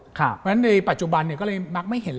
เพราะฉะนั้นในปัจจุบันก็เลยมักไม่เห็นเลย